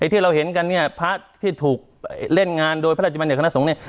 ที่เราเห็นกันเนี่ยพระที่ถูกเล่นงานโดยพระราชบัญญคณะสงฆ์เนี่ย